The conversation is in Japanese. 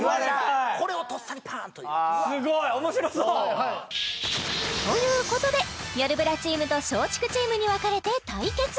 これをとっさにパーンと言うということでよるブラチームと松竹チームに分かれて対決！